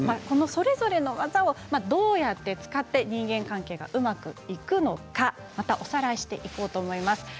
この、それぞれの技をどうやって使って人間関係がうまくいくのかおさらいしていこうと思います。